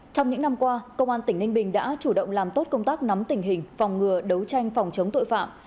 trong những năm qua công an tỉnh ninh bình đã chủ động làm tốt công tác nắm tình hình phòng ngừa đấu tranh phòng chống tội phạm